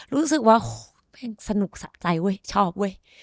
รู้สึกว่าเพลงสนุกสะใจเว้ยชอบเว้ย